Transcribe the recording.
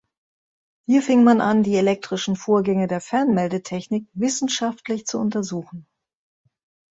Hier fing man an, die elektrischen Vorgänge der Fernmeldetechnik wissenschaftlich zu untersuchen.